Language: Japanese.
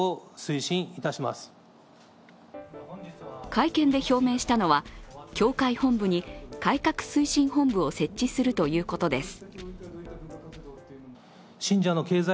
会見で表明したのは、教会本部に改革推進本部を設置するということです。